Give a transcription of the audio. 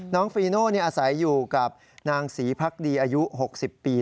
ฟีโน่อาศัยอยู่กับนางศรีพักดีอายุ๖๐ปี